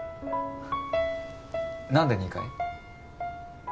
何で２回？